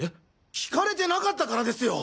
聞かれてなかったからですよ！